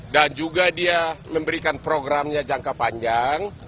dan juga dia memberikan programnya jangka panjang